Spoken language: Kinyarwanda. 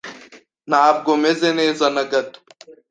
Ntabwo meze neza na gato.